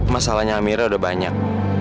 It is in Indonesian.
masalahnya amira udah banyak